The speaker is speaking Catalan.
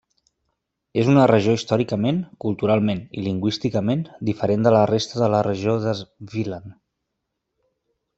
És una regió històricament, culturalment i lingüísticament diferent de la resta de la regió Svealand.